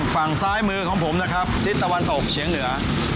ฝั่งซ้ายมือของผมนะครับทิศตะวันตกเฉียงเหนือ